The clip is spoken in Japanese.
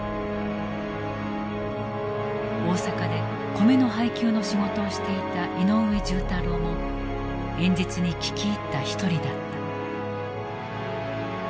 大阪で米の配給の仕事をしていた井上重太郎も演説に聞き入った一人だった。